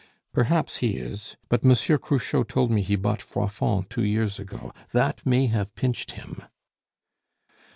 "Perhaps he is. But Monsieur Cruchot told me he bought Froidfond two years ago; that may have pinched him."